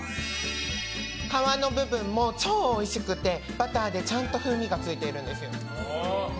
皮の部分も超おいしくてバターでちゃんと風味がついてるんですよ。